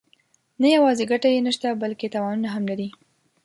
نه یوازې ګټه یې نشته بلکې تاوانونه هم لري.